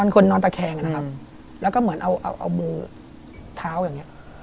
คนนอนตะแคงนะครับแล้วก็เหมือนเอามือเท้าอย่างนี้